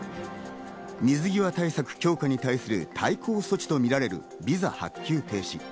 水際対策強化に対する対抗措置とみられるＶＩＳＡ発給停止。